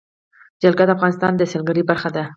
جلګه د افغانستان د سیلګرۍ برخه ده.